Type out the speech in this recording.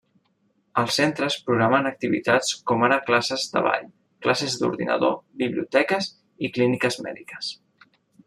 Els centres programen activitats com ara classes de ball, classes d'ordinador, biblioteques, i clíniques mèdiques.